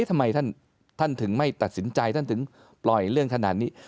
ทำไมท่านถึงไม่ตัดสินใจท่านถึงปล่อยเรื่องขนาดนี้